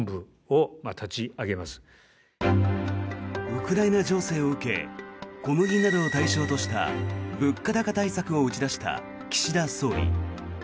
ウクライナ情勢を受け小麦などを対象とした物価高対策を打ち出した岸田総理。